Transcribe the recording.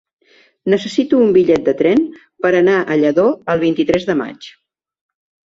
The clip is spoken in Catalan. Necessito un bitllet de tren per anar a Lladó el vint-i-tres de maig.